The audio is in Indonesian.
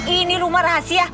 ini rumah rahasia